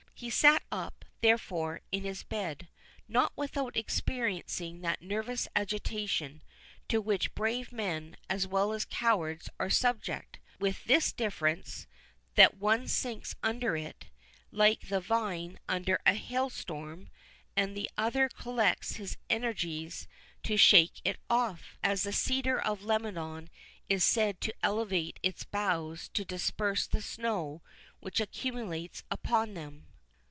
He sat up, therefore, in his bed, not without experiencing that nervous agitation to which brave men as well as cowards are subject; with this difference, that the one sinks under it, like the vine under the hailstorm, and the other collects his energies to shake it off, as the cedar of Lebanon is said to elevate its boughs to disperse the snow which accumulates upon them.